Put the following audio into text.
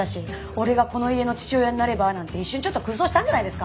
俺がこの家の父親になればなんて一瞬ちょっと空想したんじゃないですか？